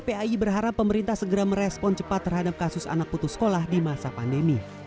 ppi berharap pemerintah segera merespon cepat terhadap kasus anak putus sekolah di masa pandemi